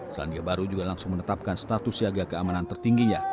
selandia baru juga langsung menetapkan status siaga keamanan tertingginya